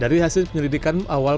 dari hasil penyelidikan awal